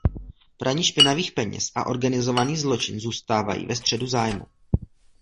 Praní špinavých peněz a organizovaný zločin zůstávají ve středu zájmu.